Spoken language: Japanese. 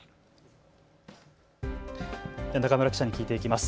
中村記者に聞いていきます。